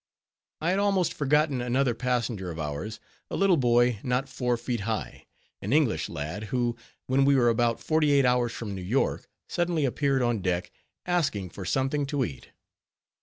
I had almost forgotten another passenger of ours, a little boy not four feet high, an English lad, who, when we were about forty eight hours from New York, suddenly appeared on deck, asking for something to eat.